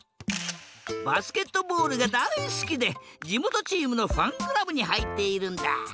バスケットボールがだいすきでじもとチームのファンクラブにはいっているんだ。